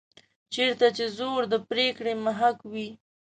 چېرته چې زور د پرېکړې محک وي.